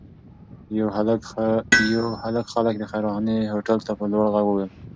یو هلک خلک د خیرخانې هوټل ته په لوړ غږ بلل.